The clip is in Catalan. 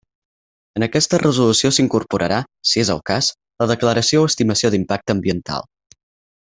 En aquesta resolució s'incorporarà, si és el cas, la declaració o estimació d'impacte ambiental.